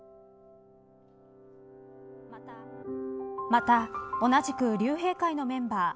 また同じく竜兵会のメンバー